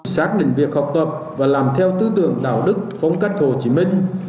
xác định việc học tập và làm theo tư tưởng đạo đức phong cách hồ chí minh